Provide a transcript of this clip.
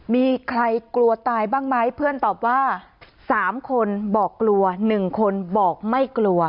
มีใครกลัวตายบ้างไหมเพื่อนตอบว่า๓คนบอกกลัว๑คนบอกไม่กลัว